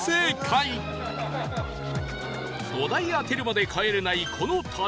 ５台当てるまで帰れないこの旅